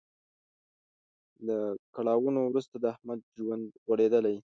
له کړاوونو وروسته د احمد ژوند غوړیدلی.